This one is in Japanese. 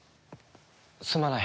すまない。